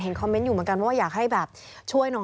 คอมเมนต์อยู่เหมือนกันว่าอยากให้แบบช่วยหน่อย